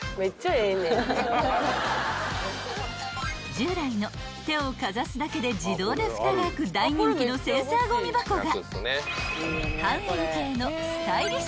［従来の手をかざすだけで自動でふたが開く大人気のセンサーゴミ箱が］